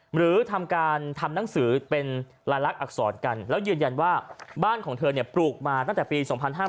หรือทำการทำหนังสือเป็นลายลักษรกันแล้วยืนยันว่าบ้านของเธอเนี่ยปลูกมาตั้งแต่ปี๒๕๕๘